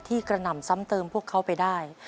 กระหน่ำซ้ำเติมพวกเขาไปได้